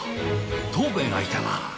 藤兵衛がいたな。